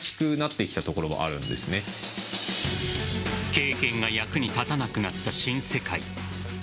経験が役に立たなくなった新世界。